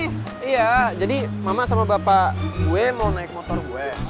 iya jadi mama sama bapak gue mau naik motor gue